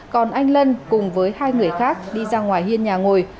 còn anh lân cùng với hai người khác đi ra ngoài hiên nhà ngồi